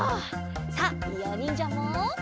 さあいおにんじゃも。